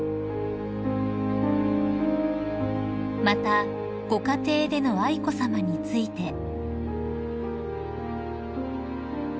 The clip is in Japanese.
［またご家庭での愛子さまについて］